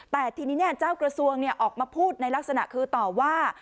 แต่ทีนี้เจ้ากระทรวงออกมาพูดในลักษณะคือต่อว่า